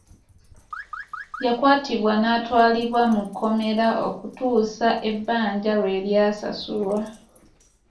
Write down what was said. Yakwatibwa n'atwalibwa mu kkomera okutuusa ebbanja lwe lyasasulwa.